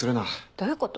どういうこと？